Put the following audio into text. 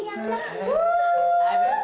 jangan jangan lepas